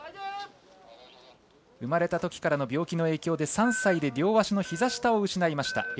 生まれたときからの病気の影響で３歳で両足のひざ下を失いました。